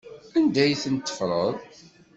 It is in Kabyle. Anda ay tent-teffreḍ?